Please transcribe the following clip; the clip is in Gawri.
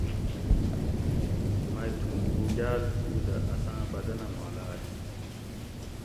مئ تھوُں پوگاۤل او دہ اساۤں بدنہ مالاۤش کیِش